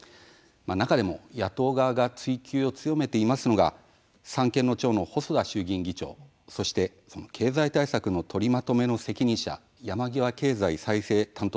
中でも野党側が追及を強めていますのが、三権の長の細田衆議院議長、そして経済対策の取りまとめの責任者山際経済再生担当大臣です。